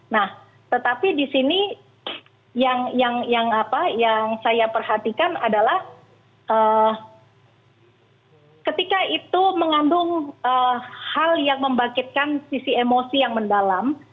nah tetapi di sini yang saya perhatikan adalah ketika itu mengandung hal yang membangkitkan sisi emosi yang mendalam